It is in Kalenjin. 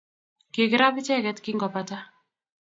kikirap icheket kingopata